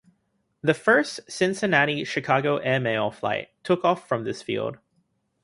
The first Cincinnati-Chicago airmail flight took off from this field.